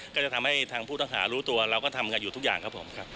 ก็จะทำให้ทางผู้ต้องหารู้ตัวเราก็ทำกันอยู่ทุกอย่างครับผมครับ